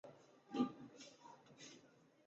仁宗景佑元年进士。